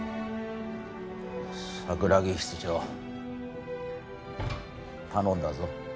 桜木室長頼んだぞ。